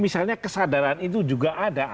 misalnya kesadaran itu juga ada